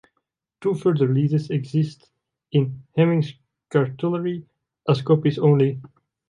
Two further leases exist in "Hemming's Cartulary" as copies only.